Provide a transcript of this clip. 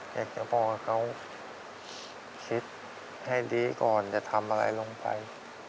อยากจะบอกให้เขาคิดให้ดีก่อนจะทำอะไรลงไป